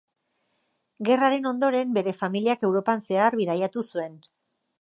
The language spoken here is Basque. Gerraren ondoren bere familiak Europan zehar bidaiatu zuen.